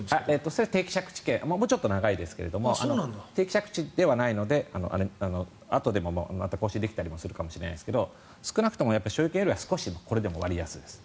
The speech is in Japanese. それはもうちょっと長いですけど定期借地ではないのであとでまた更新できたりするかもしれないですが少なくとも所有権よりはこれでも割安です。